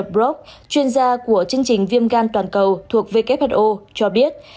bà esther brock chuyên gia của chương trình viêm gan toàn cầu thuộc who cho biết